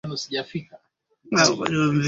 na hilo tusilirudie tena katika chaguzi zijazo